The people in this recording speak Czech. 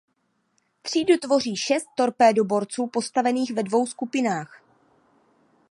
Třídu tvoří šest torpédoborců postavených ve dvou skupinách.